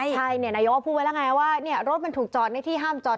ใช่นายกก็พูดไว้แล้วไงว่ารถมันถูกจอดในที่ห้ามจอด